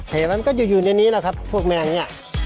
เห็นไหมมันก็อยู่ในนี้แล้วครับพวกแม่งนี้